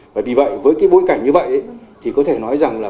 và vì vậy với cái bối cảnh như vậy thì có thể nói rằng là